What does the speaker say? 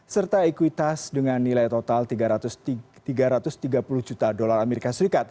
serta ekuitas dengan nilai total tiga ratus tiga puluh juta dolar as